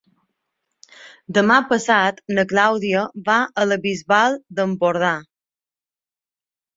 Demà passat na Clàudia va a la Bisbal d'Empordà.